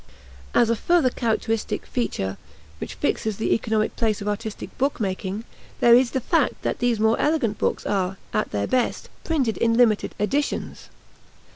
As a further characteristic feature which fixes the economic place of artistic book making, there is the fact that these more elegant books are, at their best, printed in limited editions.